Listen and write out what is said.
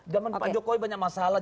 zaman pak jokowi banyak masalah